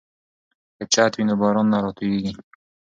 که چت وي نو باران نه راتوییږي.